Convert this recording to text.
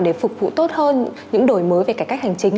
để phục vụ tốt hơn những đổi mới về cải cách hành chính